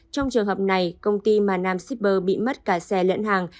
trong trường hợp này công ty mà nam shipper bị mất cả xe lẫn hàng